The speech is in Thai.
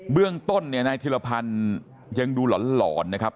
เรื่องต้นเนี่ยนายธิรพันธ์ยังดูหลอนนะครับ